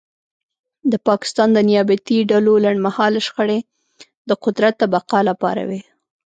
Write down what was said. د پاکستان د نیابتي ډلو لنډمهاله شخړې د قدرت د بقا لپاره وې